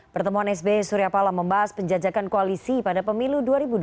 pertemuan sb surya palau membahas penjajakan koalisi pada pemilu dua ribu dua puluh empat